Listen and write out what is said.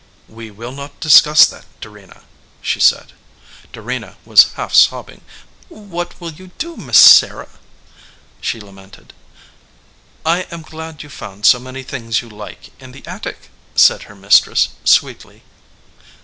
"We will not discuss that, Dorena," she said. Dorena was half sobbing. "What will you do, Miss Sarah ?" she lamented. "I am glad you found so many things you like in the attic," said her mistress, sweetly.